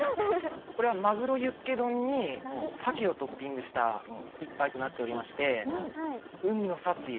これはまぐろユッケ丼に鮭をトッピングした一杯となっておりまして。